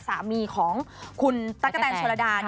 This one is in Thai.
สามีของคุณตั๊กกะแตนโชลดา